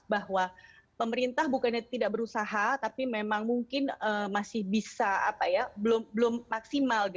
bahwa pemerintah bukannya tidak berusaha tapi memang mungkin masih bisa belum maksimal